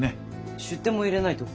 出典も入れないと。